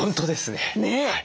ねえ。